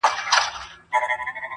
ډېر خلک په تکرار کې ژوند کوي